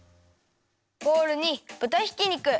ボウルにぶたひき肉